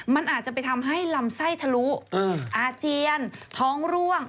มันอาจจะไปทำให้ลำไส้ทะลุอาเจียนท้องร่วง